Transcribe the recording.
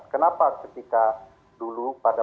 kenapa ketika dulu pada